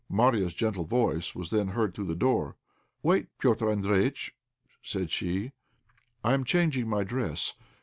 Marya's gentle voice was then heard through the door. "Wait, Petr' Andréjïtch," said she, "I am changing my dress.